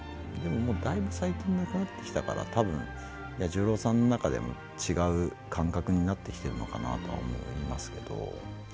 でも、だいぶ最近なくなってきたからたぶん彌十郎さんの中でも違う感覚になってきてるのかなとは思いますけど。